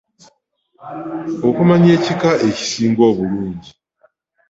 Okumanya ekika ekisinga obulungi.